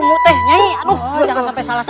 aku harus menggunakan ajem pabuk kasku